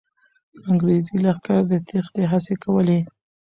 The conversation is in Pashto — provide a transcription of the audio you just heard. انګریزي لښکر د تېښتې هڅې کولې.